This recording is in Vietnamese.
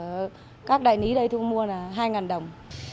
bây giờ hiện tại giá ở các đại lý đây thu mua là hai ngàn đồng